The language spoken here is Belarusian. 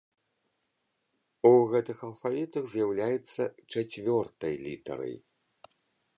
У гэтых алфавітах з'яўляецца чацвёртай літарай.